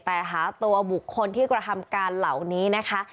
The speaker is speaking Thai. แต่หาตัวบุคคลที่กระทำการเหล่านี้นะคะ